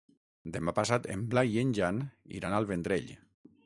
Demà passat en Blai i en Jan iran al Vendrell.